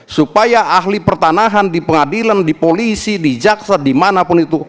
supaya ahli pertanahan di pengadilan di polisi di jaksa dimanapun itu